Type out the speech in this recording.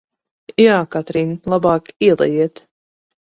Jā, Katrīn, labāk ielejiet!